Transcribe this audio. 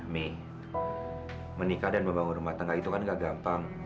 menikah dan membangun rumah tangga itu kan gak gampang